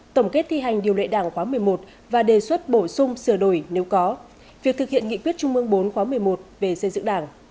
tổng kết thi hành điều lệ đảng khóa một mươi một và đề xuất bổ sung sửa đổi nếu có việc thực hiện nghị quyết trung mương bốn khóa một mươi một về xây dựng đảng